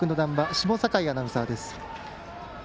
下境アナウンサーです。